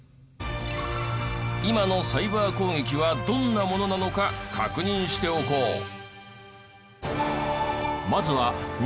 今のサイバー攻撃はどんなものなのか確認しておこう。